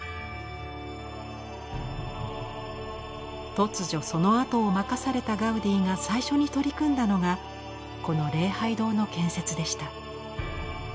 突如そのあとを任されたガウディが最初に取り組んだのがこの礼拝堂の建設でした。